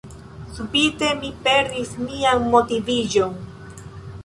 Subite, mi perdis mian motiviĝon.